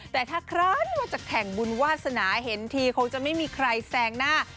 แต่ถ้าครั้นว่าจะแข่งบุญวาสนาเห็นทีคงจะไม่มีใครแซงหน้า